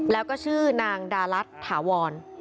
แล้วก็ชื่อนางดารัฐถาวร